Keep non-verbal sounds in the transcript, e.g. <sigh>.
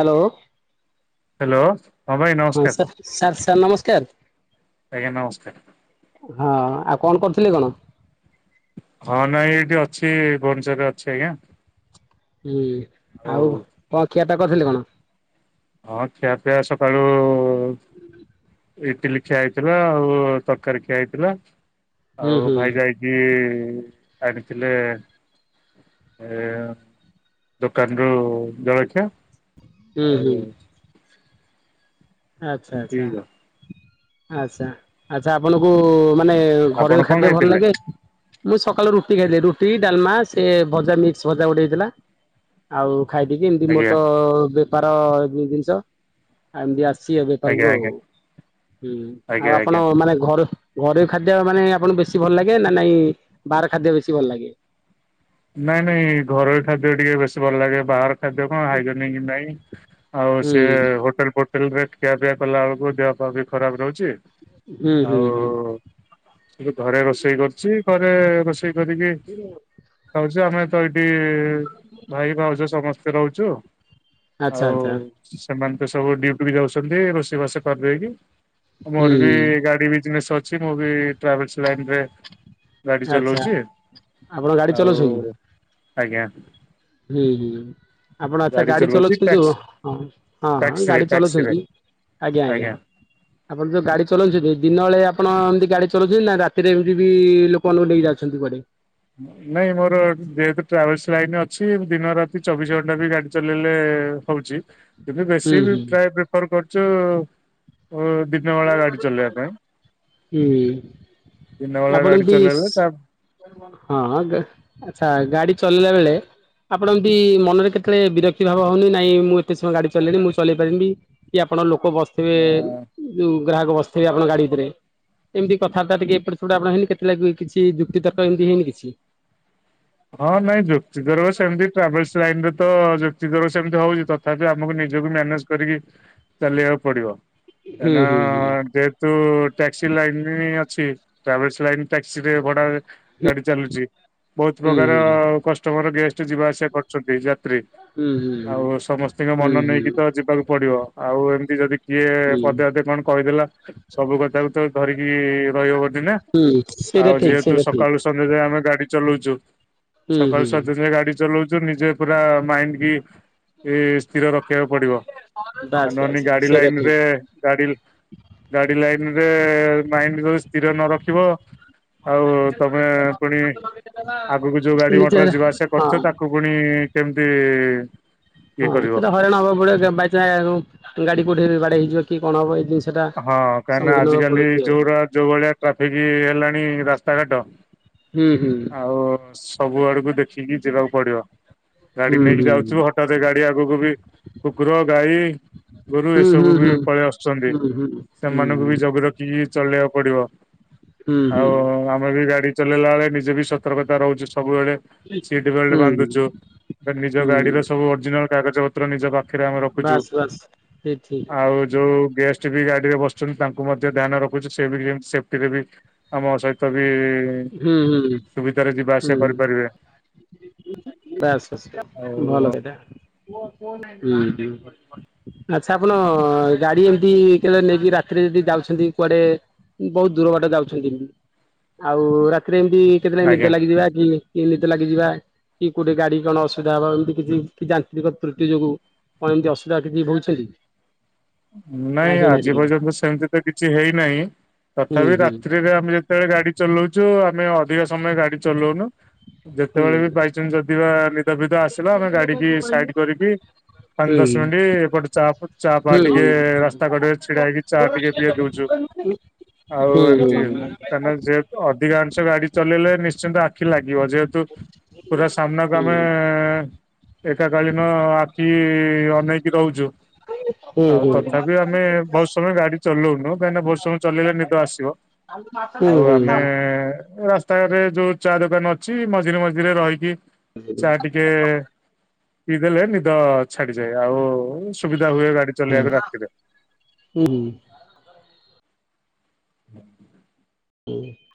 Hello hello ଭାଇ ହଁ ନମସ୍କାର ସାର୍ ସାର୍ ନମସ୍କାର। ଆଜ୍ଞା ନମସ୍କାର। ହଁ ଆଉ କଣ କରୁଥିଲେ କଣ? ହଁ ନାଇଁ ଏଇଠି ଅଛି ଭୁବନେଶ୍ଵରରେ ଅଛି ଆଜ୍ଞା। ହୁଁ ଆଉ କଣ ଖିଆପିଆ କରିଥିଲେ କଣ? ହଁ ଖିଆପିଆ ସକାଳୁ ଇଟଲି ଖିଆ ହେଇଥିଲା ଆଉ ତରକାରୀ ଖିଆ ହେଇଥିଲା। ହୁଁ ଆଉ ହୁଁ ଭାଇ ଯାଇକି ଆଣିଥିଲେ ଏ ଦୋକାନରୁୁ ଜଳଖିଆ। ହୁଁ ଆଉ ଆଛା ଏମିତି ଆଛା ଆଚ୍ଛା ଆଛା ଆପଣଙ୍କୁ ମା ମାନେ ଆପଣ ଘରୋଇ କଣ ଖାଦ୍ୟ ଭଲ ଖାଇଥିଲେ? ଲାଗେ ମୁଁ ସ କାଳୁ ରୁଟି ଖାଇଦିଏ। ରୁଟି ଡାଲମା ସେ ଭଜା ମିକ୍ସ ଭଜା ଗୋଟେ ହେଇଥିଲା ଆଉ। ଖାଇଦେଇକି ଏମତି ମୋର ଆଜ୍ଞା ତ ବେପାର ଜୀବଜିନିଷ ଆ ଏମତି ଆସ୍ ସିଏ ଆଜ୍ଞା ବେପାରକୁ ଆଉ ଆଜ୍ଞା ହୁଁ ଆଉ ଆଜ୍ଞା ଆଜ୍ଞା। ଆପଣ ମାନେ ଘର ଘରୋଇ ଖାଦ୍ୟ ମାନେ ଆପଣଙ୍କୁ ବେଶୀ ଭଲ ଲାଗେ ନା ନାଇଁ ବାହାର ଖାଦ୍ୟ ବେଶୀ ଭଲ ଲାଗେ। ନାଇଁ ନାଇଁ ଘରୋଇ ଖାଦ୍ୟ ଟିକେ ବେଶୀ ଭଲ ଲାଗେ ବାହାର ଖାଦ୍ୟ କଣ ହାଇଜେନିକ ନାଇଁ ଆଉ ହୁଁ ସେ ହୋଟେଲ ଫୋଟେଲରେ ଖିଆପିଆ କଲା ବେଳକୁ ଦେହ ପାହା ବି ଖରାପ ରହୁଛି ହୁଁ ହୁଁ ଆଉ ହୁଁ। ସେ ଘରେ ରୋଷେଇ କରୁଛି ଘରେ ରୋଷେଇ କରିକି ଖାଉଛି ଆମେ ତ ଏଇଠି ଭାଇ ଭାଉଜ ସମସ୍ତେ ରହୁଛୁ। ଆଚ୍ଛା ଆଉ ଆଚ୍ଛା ସେମାନେ ତ ସବୁ ଡିଉଟି ବି ଯାଉଛନ୍ତି ରୋଷେଇବାସ କରିଦେଇକି। ହୁଁ ମୋର ବି ହୁଁ ଗାଡି ବିଜନେସ୍ ଅଛି ମୁଁ ବି ଟ୍ରାଭେଲସ ଲାଇନରେ ଆଛା ଆପଣ ଗାଡି ଆଉ ଚଲାଉଛନ୍ତି? ଆଜ୍ଞା। ହୁଁ ହୁଁ ଆପଣ ଆଚ୍ଛା ଗାଡି ଚଲଉଛି ଚଲାଉଛନ୍ତି ଯୋଉ ଟ୍ୟାକ୍ସି ହଁ ହଁ ହଁ ଟ୍ୟାକ୍ସିରେ ଗାଡି ଟ୍ୟାକ୍ସିରେ ଚଲଉଛନ୍ତି ଆଜ୍ଞା ଆଜ୍ଞା ଆପଣ ଯୋଉ ଗାଡି ଚଲାଉଛନ୍ତି ଦିନ ବଳେ ଆପଣ ଏମିତି ଗାଡ଼ି ଚଳଉଛନ୍ତି ନା ରାତିରେ ଏମିତି ବି ଲୋକମାନଙ୍କୁ ନେଇ ଯାଉଛନ୍ତି କୁଆଡେ ନାଇଁ ମୋର ଯେହେତୁ ଟ୍ରାଭେଲ୍ସ ଲାଇନ ଅଛି ଦିନ ରାତି ଚବିଶି ଘଣ୍ଟା ବି ଗାଡି ଚଲେଇଲେ ହଉଛି କିନ୍ତୁ ହୁଁ ବେଶୀ ହୁଁ ପ୍ରାୟ ପ୍ରିଫର କରୁଛୁ ଦିନ ବଳା ଗାଡି ଚଲେଇବା ପାଇଁ ହୁଁ ଦିନ ବେଳା ଆପଣ ଗାଡି ଏମତି ଚଲେଇଲେ ତା ହଁ ଦେ ଆଛା ଗାଡି ଚଲେଇଲା ବେଳେ ଆପଣ ଏମତି ମନରେ କେତେବେଳେ ବିରକ୍ତି ଭାବ ହଉନି ନାଇଁ ମୁଁ ଏତେ ସମୟ ଗାଡି ଚଲେଇଲିଣି ମୁଁ ଚଲେଇ ପାରିବି କି ଆପଣଲୋକ ଲୋକ ବସିଥିବେ ଯୋଉ ଗ୍ରାହକ ବସିଥିବେ ଆପଣଙ୍କ ଗାଡି ଭିତରେ ଏମିତି କଥାବାର୍ତ୍ତା ଟିକେ ଏପଟେ ସେପଟ ଆପଣ ହେଇନି କେତେବେଳେ କିଛି ଯୁକ୍ତି ତର୍କ ଏମିତି ହେଇନି କିଛି? ହଁ ନାଇଁ ଯୁକ୍ତିତର୍କ ସେମିତି ଟ୍ରାଭେଲସ ଲାଇନରେ ତ ଯୁକ୍ତିତର୍କର ସେମିତି ହଉଛି। ତଥାପି ଆମକୁ ନିଜକୁ ମ୍ୟାନେଜ କରିକି ଚାଲିବାକୁ ପଡିବ। ହୁଁ କାହିଁନା ହୁଁ ହୁଁ ଯେହେତୁ ଟ୍ୟାକ୍ସି ଲାଇନ ଅ ଛି ଟ୍ରାଭେଲ୍ସ ଲାଇନ୍ ଟାକ୍ସିରେ ଭଡାରେ ଗାଡି ଚାଲୁଛି ବହୁତ ହୁଁ ପ୍ରକାର କଷ୍ଟ୍ ତମର ଗେଷ୍ଟ ଯିବା ଆସିବା କରଛନ୍ତି ଯାତ୍ରୀ ହୁଁ ହୁଁ ଆଉ ସମସ୍ତିଙ୍କ ହୁଁ ମନ ହୁଁ ହୁଁ ନେଇକି ତ ଯିବାକୁ ପଡିବ। ଆଉ ଏମିତି ଯଦି କିଏ ହୁଁ ପଦେ ପଦେ କଣ କହିଥିଲା ସବୁ କଥାକୁ ତ ଧରିକି ରହିବ ଦନା ହୁଁ ସେଇଟା ଆଉ ଠିକ୍ ଯେହେତୁ ସେଇଟା ଠିକ୍ ସକାଳୁ ସନ୍ଧ୍ୟା ଯାଏ ଆମେ ଗାଡି ଚଲଉଚୁ ହୁଁ ସକାଳୁ ହୁଁ। ସଜ ଗାଡି ଚଲଉଛୁ ନିଜେ ପୁରା ମାଇଣ୍ଡ କି ସ୍ଥିର ର ଦେଖକୁ ପଡିବ ଆଉ ବାସ୍ ନହେନି ବାସ୍ ଗାଡି ସେଇଟା ଲାଇନ ଠିକ୍ ରେ ଗାଡି ଗାଡି ଲାଇନ ରେ ମାଇଣ୍ଡ ରୋହୁ ସ୍ଥିର ନ ରଖିବ ଆଉ ତମେ ପୁଣି ଆଗକୁ ଯୋଉ ଗାଡି ମଟର ନିଜର ଯିବା ଆସିବା ହଁ କରୁଥିବ ତାକୁ ପୁଣି କେମିତି ଇଏ ହଁ କରିବ ସେ ତ ହଇରାଣ ହବ ବଡ ବାଇନ୍ ଗାଡି କୋଉଠେଇ ବାଡଆ ହେଇଯିବ କି କଣ ହବ ଏଇ ଜିନ ହଁ କାହିଁକି ନା ଆଜିକାଲି ଯୋଉା ଯୋଉ ଭଳିଆ ଟ୍ରାଫିକ ହେଲାଣି ଇ ରାସ୍ତା ଘାଟ ହୁଁ ହୁଁ ଆଉ ସବୁ ଆଡକୁ ଦେଖିକି ଯିବାକୁ ପଡିବ ଗାଡି ହୁଁ ନେଇକି ଯାଉଛୁ ହୁଁ ହଠାତ୍ ଗାଡି ଆଗକୁ ବି କୁକୁର ଗାଈ ଗୋରୁ ଏସବୁ ହୁଁ ବି ହୁଁ ପଳେଇ ଆସୁଛନ୍ତି ହୁଁ ହୁଁ ହୁଁ ହୁଁ ହୁଁ ସେମାନଙ୍କୁ ବି ଜଗି ରଖିକି ଚଳେଇବାକୁ ପ ହୁଁ ଆଉ ହୁଁ ଆମେ ବି ଗାଡି ଚଲେଇଲା ବେଳେ ନିଜେ ବି ସତର୍କତା ରହୁଚୁ ସବୁବେଳେ ସିଟ ବେଲଟ ହୁଁ ବାନ୍ଧୁଚୁ ନିଜ ଗାଡିର ହୁଁ ସବୁ ଅରିଜିନାଲ କାଗଜ ପତ୍ର ନିଜ ପାଖରେ ଆମେ ରଖୁଚୁ। ବାସ୍ ବାସ୍ ଠିକ ଠିକ। ଆଉ ଯୋଉ ଗେଷ୍ଟ ବି ଗାଡିରେ ବସୁଛନ୍ତି ତାଙ୍କୁ ମଧ୍ୟ ଧ୍ୟାନ ରଖୁଛି ସେ ବିମତି ସେଫ୍ଟିରେ ବି ଆମ ସହିତ ବି ହୁଁ ହୁଁ ସୁବିଧାରେ ଯିବା ଆସିବା କରିପାରିବେ <inaudible> ବାସ ବାସ ଭଲ ଆଉ ସେଇଟା ଉହୁଁ <unintelligible> ଆଛା ଆପଣ, ଗାଡି ଏମିତି କେ ନେଇକି ରାତିରେ ଯଦି ଯାଉଛନ୍ତି କୁଆଡେ ବହୁତ ଦୂର ବାଟ ଯାଉଛନ୍ତି। ଆଉ ରାତିରେ ଏମତି କେତେବେଳେ ଆଜ୍ଞା ନିଦ ଲାଗିଯିବା କି ଏମିତି ଲାଗିଯିବା କି କୋଉଠି ଗାଡି କଣ ଅସୁିଧା ହବା ଏମିତି କିଛି ଯାନ୍ତ୍ରିକ ତ୍ରୁଟି ଯୋଗୁ। କଣ ଏମିତି ଅସୁବିଧା କିଛି ହଉଛି କି? ନାଇଁ ଆଜି ପର୍ଯ୍ୟନ୍ତ ସେମତି ତ କିଛି ହେଇନାହିଁ। ହୁଁ ତଥାପି ହୁଁ ରାତିରେ ଆମେ ଯେତେବେଳେ ଗାଡି ଚଲଉଛୁ ଆମେ ଅଧିକ ସମୟ ଗାଡି ଚଲଉନୁ। ହୁଁ ଯେତେବେଳେ ବି ବାଇଚାନ୍ସ ଯଦିିବା ନିଦ ବିଦ ଆସିଲା। ଆମେ ଗାଡି କି ସାଇଡ କରିକି ପାଞ୍ଚ ହୁଁ ଦଶ ମିନିଟି ଏପଟେ ଚାପ ଚାପ ହୁଁ ହୁଁ ହୁଁ ହୁଁ ହୁଁ ହୁଁ ହୁଁ ଟିକେ ରାସ୍ତା କଡରେ ଛିଡା ହେଇକି ଚା ଟିକେ ପିଏ ଦୋଉଚୁ। ଆଉ ଏମିତି କ ସେ ଅଧିକା ଣିଷ ଗାଡି ଚଲେଇଲେ, ନିଶ୍ଚିନ୍ତ ଆଖି ଲାଗିବ ଯେହେତୁ ପୁରା ସାମ୍ନାକୁ ଆମେ ଏକା କଳୀନ ଆଖି ଅନେଇକି ରହୁଚୁ। ଆଉ ତଥାପି ଆମେ ବହୁତ ସମୟ ଗାଡି ଚଲଉନୁ କାହିଁକିନା ବହୁତ ସମୟ ଚଲେଇଲେ ନିଦ ଆସିବ। ହୁଁ ଆଉ ଆମେ ହୁଁ ରା ତାରେ ଯୋଉ ଚା ଦୋକାନ ଅଛି। ମଝିରେ ମଝିରେ ରହିକି ଚା ଟିକେ ପିଇ ଦେଲେ ନିଦ ଛାଡିଯାଏ। ଆଉ ସୁବିଧା ହୁଏ। ଗାଡି ଚଲେଇବାକୁ ରାତିରେ। <unintelligible> ଉଁ।